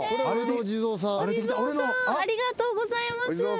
お地蔵さんありがとうございます。